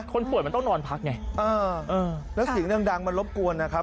คนป่วยมันต้องนอนพักไงแล้วเสียงดังมันรบกวนนะครับ